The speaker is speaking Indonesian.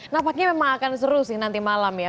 nampaknya memang akan seru sih nanti malam ya